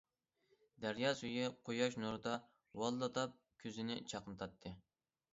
دەريا سۈيى قۇياش نۇرىدا ۋالىلداپ كۆزنى چاقنىتاتتى.